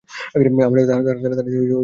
তাড়াতাড়ি বাসায় আসো।